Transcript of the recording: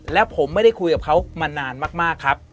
และผมไม่ได้คุยกับเขามานานมากครับ